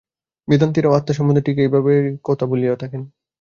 বেদান্তীরাও আত্মা সম্বন্ধে ঠিক এইভাবের কথাই বলে থাকেন।